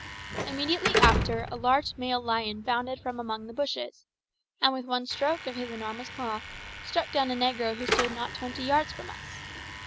Immediately after, a large male lion bounded from among the bushes, and with one stroke of his enormous paw struck down a negro who stood not twenty yards from us.